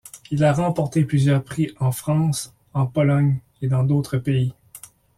Il a remporté plusieurs prix en France, en Pologne et dans d'autres pays.